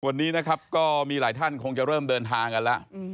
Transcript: วันนี้นะครับก็มีหลายท่านคงจะเริ่มเดินทางกันแล้ว